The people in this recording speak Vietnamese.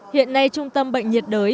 hiện nay trung tâm bệnh nhiệt đới